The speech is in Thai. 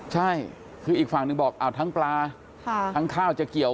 ใช่คืออีกฝั่งหนึ่งบอกทั้งปลาทั้งข้าวจะเกี่ยว